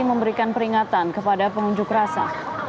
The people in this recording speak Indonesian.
memberikan peringatan kepada pengunjuk rasa